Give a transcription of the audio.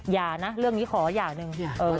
อย่านะเรื่องนี้ขออย่างหนึ่ง